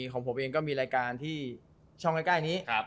ของผมเองก็มีรายการที่ช่องใกล้นี้